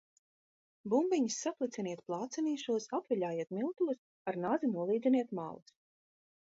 Bumbiņas saplaciniet plācenīšos, apviļājiet miltos, ar nazi nolīdziniet malas.